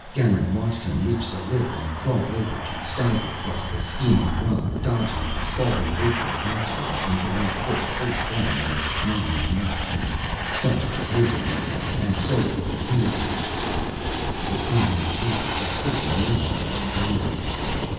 Garin watched him reach the lip and crawl over, to stagger across the steaming rock, dodging the scalding vapor of hot springs, until he pitched face down in the slimy mud. "Such was his ending, and so will you end " The calm brutality of that statement aroused Garin's anger.